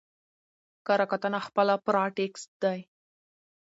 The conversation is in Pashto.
کره کتنه خپله پاراټيکسټ دئ.